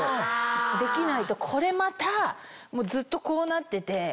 できないとこれまたずっとこうなってて。